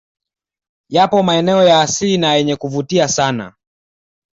Yapo maneno ya asili na yenye kuvutia sana